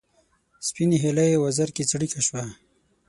سپینې هیلۍ وزر کې څړیکه شوه